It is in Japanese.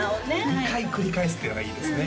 ２回繰り返すってのがいいですね